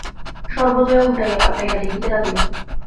সর্বজয়া উলটাইয়া পালটাইয়া দেখিতে লাগিল।